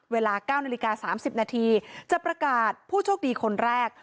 เวลา๙นาฬิกา๓๐นาทีจะประกาศผู้โชคดีคนแรก